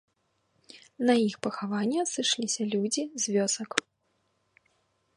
На іх пахаванне сышліся людзі з вёсак.